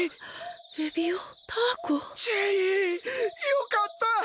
よかった！